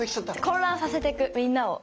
混乱させてくみんなを。